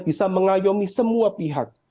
bisa mengayomi semua pihak